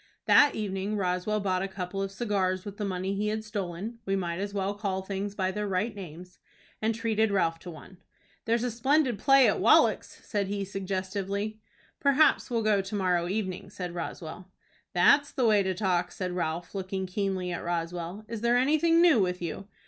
That evening Roswell bought a couple of cigars with the money he had stolen (we might as well call things by their right names), and treated Ralph to one. "There's a splendid play on at Wallack's," said he, suggestively. "Perhaps we'll go to morrow evening," said Roswell. "That's the way to talk," said Ralph, looking keenly at Roswell. "Is there anything new with you?"